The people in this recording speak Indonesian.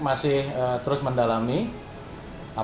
masih terus mendatangkan